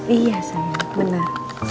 iya sayang bener